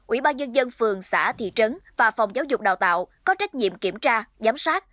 ủy ban nhân dân phường xã thị trấn và phòng giáo dục đào tạo có trách nhiệm kiểm tra giám sát